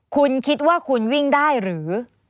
คุณคิดว่าคุณวิ่งได้หรือ